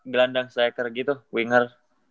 gelandang slacker gitu winger